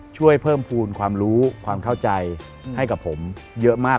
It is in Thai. ช่วยเพิ่มภูมิความรู้ความเข้าใจให้กับผมเยอะมาก